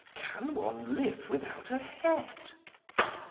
Can one live without a head?